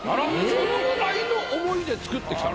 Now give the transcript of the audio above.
そのぐらいの思いで作ってきた。